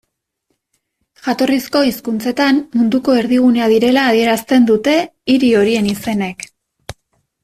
Jatorrizko hizkuntzetan, munduko erdigunea direla adierazten dute hiri horien izenek.